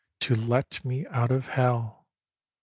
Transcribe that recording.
to let me out of hell! x.